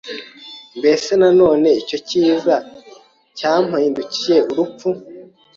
Mbese none icyo cyiza cyampindukiye urupfu?